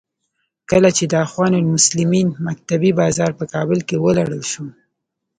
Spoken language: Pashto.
کله چې د اخوان المسلمین مکتبې بازار په کابل کې ولړل شو.